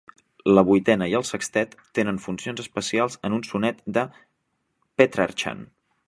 La vuitena i el sextet tenen funcions especials en un sonet de Petrarchan.